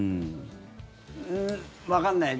わかんない。